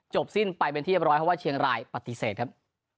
สิ้นไปเป็นที่เรียบร้อยเพราะว่าเชียงรายปฏิเสธครับ